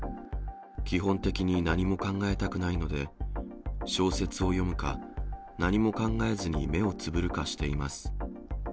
基本的に何も考えたくないので、小説を読むか、何も考えずに目をつぶるかしています。